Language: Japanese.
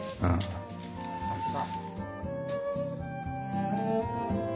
さすが！